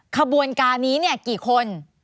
ขบวนการนี้เนี่ยกี่คน